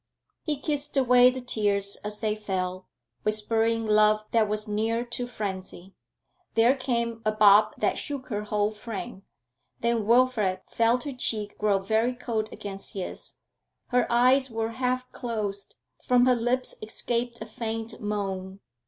He kissed away the tears as they fell, whispering love that was near to frenzy. There came a Bob that shook her whole frame, then Wilfrid felt her cheek grow very cold against his; her eyes were half closed, from her lips escaped a faint moan.